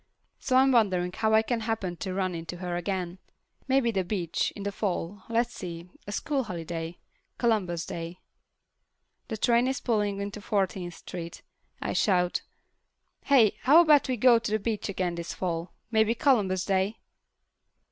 So I'm wondering how I can happen to run into her again. Maybe the beach, in the fall. Let's see, a school holiday—Columbus Day. The train is pulling into Fourteenth Street. I shout, "Hey, how about we go to the beach again this fall? Maybe Columbus Day?"